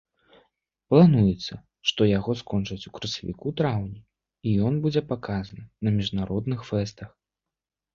Плануецца, што яго скончаць у красавіку-траўні і ён будзе паказаны на міжнародных фэстах.